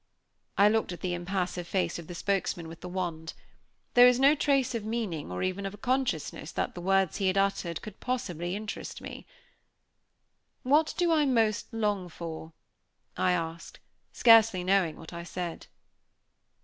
I looked at the impassive face of the spokesman with the wand. There was no trace of meaning, or even of a consciousness that the words he had uttered could possibly interest me. "What do I most long for?" I asked, scarcely knowing what I said.